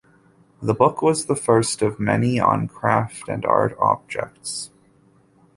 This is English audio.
This book was the first of many on craft and art objects.